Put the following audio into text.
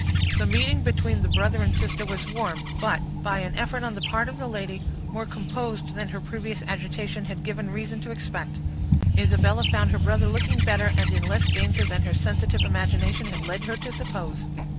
The meeting between the brother and sister was warm, but, by an effort on the part of the lady, more composed than her previous agitation had given reason to expect. Isabella found her brother looking better, and in less danger than her sensitive imagination had led her to suppose.